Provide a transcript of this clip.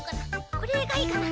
これがいいかな。